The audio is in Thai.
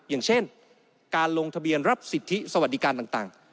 อย่างเช่นการลงทะเบียนรับสิทธิสวัสดิการต่าง